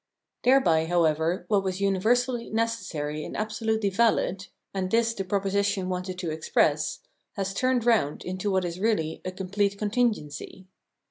Thereby, however, what was universally necessary and absolutely vahd (and this the proposition wanted to express) has turned round into what is really a complete contingency.